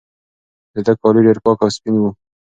د ده کالي ډېر پاک او سپین وو.